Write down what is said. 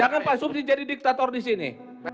jangan pak subri jadi diktator disini